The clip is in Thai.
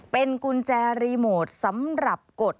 เป็นกุญแจรีโมทสำหรับกด